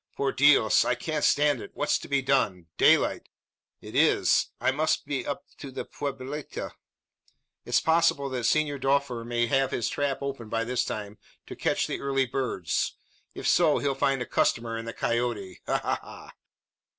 Por Dios! I can't stand it. What's to be done? Daylight? It is. I must up to the pueblita. It's possible that Senor Doffer may have his trap open by this time to catch the early birds. If so, he'll find a customer in the Coyote. Ha, ha, ha!"